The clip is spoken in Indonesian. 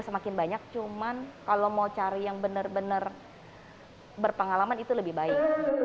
semakin banyak cuman kalau mau cari yang benar benar berpengalaman itu lebih baik